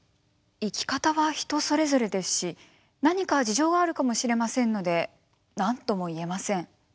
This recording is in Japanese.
生き方は人それぞれですし何か事情があるかもしれませんので何とも言えません。